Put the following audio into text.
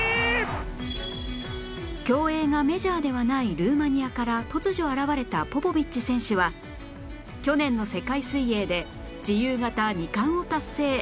競泳がメジャーではないルーマニアから突如現れたポポビッチ選手は去年の世界水泳で自由形２冠を達成